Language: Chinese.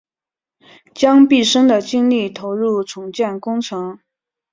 将毕生的精力投入重建工程